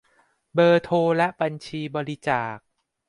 เบอร์โทรและบัญชีบริจาค